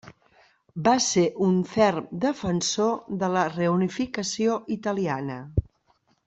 Va ser un ferm defensor de la Reunificació italiana.